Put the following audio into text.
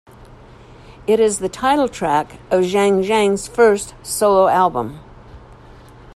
It is the title track of Xiang Xiang's first solo album.